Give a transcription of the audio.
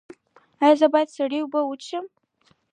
ایا زه باید سړې اوبه وڅښم؟